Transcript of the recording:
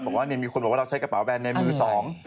บอกว่าเนี่ยมีคนบอกว่าเราใช้กระเป๋าแบนในมือสอง